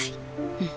うん。